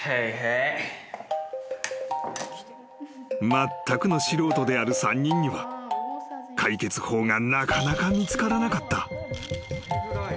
［まったくの素人である３人には解決法がなかなか見つからなかった］